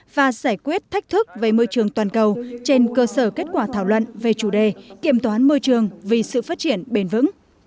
và giải quyết thách thức về môi trường toàn cầu trên cơ sở kết quả thảo luận về chủ đề kiểm toán môi trường vì sự phát triển bền vững